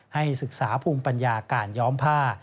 ให้ศึกษาภูมิปัญญาการย้อมผ้า